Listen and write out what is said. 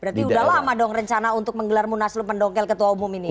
berarti sudah lama dong rencana untuk menggelar munas lo pendongkel ketua umum ini